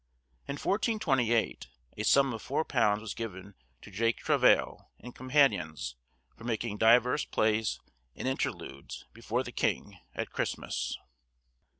In 1428, a sum of four pounds was given to Jakke Travaill and companions, for making divers plays and interludes before the king, at Christmas.